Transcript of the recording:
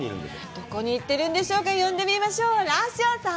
どこに行ってるんでしょうか、呼んでみましょう、ラッシャーさん！